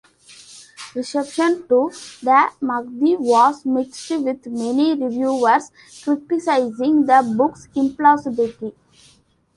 Reception to "The Mahdi" was mixed, with many reviewers criticizing the book's implausibility.